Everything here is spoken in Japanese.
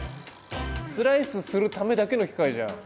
スライスするためだけの機械じゃん！